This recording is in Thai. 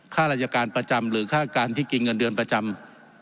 ค่าราชการประจำหรือค่าการที่กินเงินเดือนประจำ